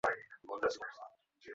সৃজন বলছিলেন বিতর্ক চর্চার কথা।